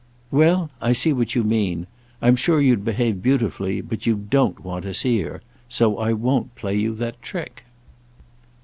_" "Well—I see what you mean. I'm sure you'd behave beautifully but you don't want to see her. So I won't play you that trick.